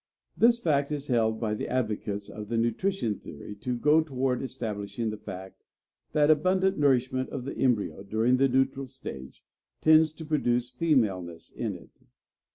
This fact is held by the advocates of the nutrition theory to go toward establishing the fact that abundant nourishment of the embryo, during the neutral stage, tends to produce femaleness in it.